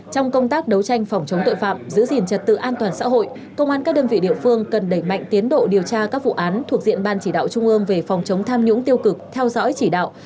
trong công tác đấu tranh phòng chống tội phạm giữ gìn trật tự an toàn xã hội công an các đơn vị địa phương cần đẩy mạnh tiến độ điều tra các vụ án thuộc diện ban chỉ đạo trung ương về phòng chống tham nhũng tiêu cực theo dõi chỉ đạo